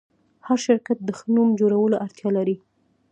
هر شرکت د ښه نوم جوړولو اړتیا لري.